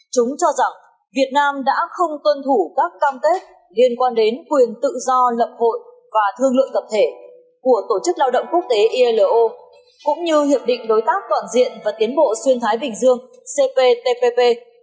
chúng cho rằng việt nam đã không tuân thủ các cam kết liên quan đến quyền tự do lập hội và thương lượng tập thể của tổ chức lao động quốc tế ilo cũng như hiệp định đối tác toàn diện và tiến bộ xuyên thái bình dương cptpp